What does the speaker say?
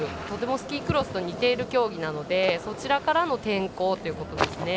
とてもスキークロスと似ている競技なのでそちらからの転向ということです。